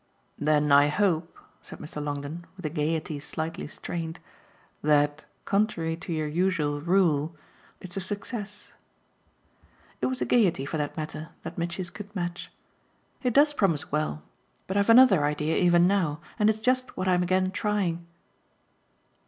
"Then I hope," said Mr. Longdon with a gaiety slightly strained, "that, contrary to your usual rule, it's a success." It was a gaiety, for that matter, that Mitchy's could match. "It does promise well! But I've another idea even now, and it's just what I'm again trying."